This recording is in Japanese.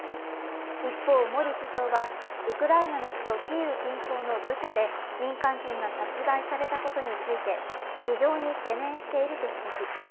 一方、モディ首相はウクライナの首都キーウ近郊のブチャで民間人が殺害されたことについて、非常に懸念していると指摘。